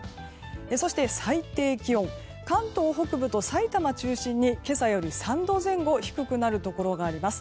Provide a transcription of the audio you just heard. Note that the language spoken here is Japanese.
そして、最低気温は関東北部と埼玉中心に今朝より３度前後低くなるところがあります。